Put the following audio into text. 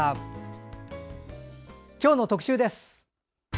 今日の特集です。